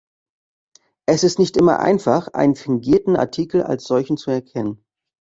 Es ist nicht immer einfach, einen fingierten Artikel als solchen zu erkennen.